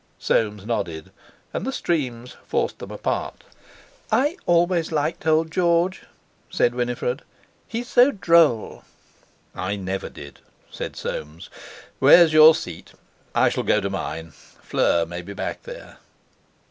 Soames nodded, and the streams forced them apart. "I always liked old George," said Winifred. "He's so droll." "I never did," said Soames. "Where's your seat? I shall go to mine. Fleur may be back there."